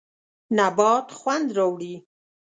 نبات خوند راوړي.